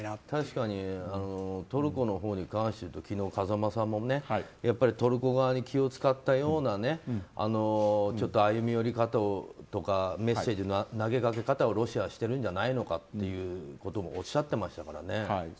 確かにトルコのほうに関していうと昨日、風間さんもトルコ側に気を使ったような歩み寄り方とかメッセージの投げかけ方をロシアはしてるんじゃないのかということもおっしゃってましたからね。